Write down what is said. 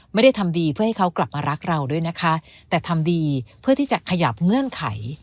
ไม่ได้ทำดีเพื่อให้เขากลับมารักเราด้วยนะคะแต่ทำดีเพื่อที่จะขยับเงื่อนไข